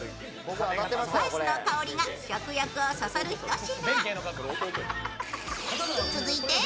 スパイスの香りが食欲をそそる一品。